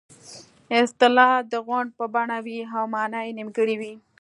اصطلاح د غونډ په بڼه وي او مانا یې نیمګړې وي